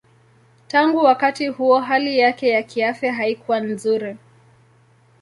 Tangu wakati huo hali yake ya kiafya haikuwa nzuri.